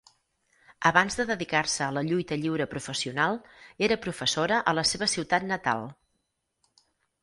Abans de dedicar-se a la lluita lliure professional era professora a la seva ciutat natal.